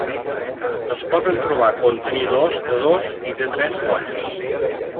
Es poden trobar contenidors de dos i de tres molles.